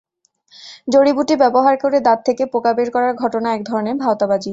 জড়িবুটি ব্যবহার করে দাঁত থেকে পোকা বের করার ঘটনা একধরনের ভাঁওতাবাজি।